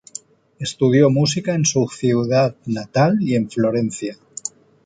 Estudió música en su ciudad natal y en Florencia.